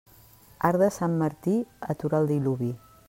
Arc de Sant Martí atura el diluvi.